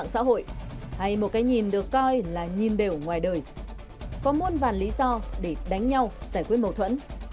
các đối tượng phạm tội hay một cái nhìn được coi là nhìn đều ngoài đời có muôn vàn lý do để đánh nhau giải quyết mâu thuẫn